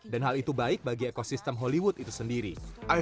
dan hal itu baik bagi ekosistem hollywood itu sendiri